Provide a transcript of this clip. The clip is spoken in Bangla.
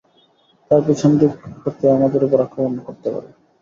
তারা পিছন দিক হতে আমাদের উপর আক্রমণ করতে পারে।